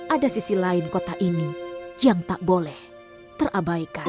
ada sisi lain kota ini yang tak boleh terabaikan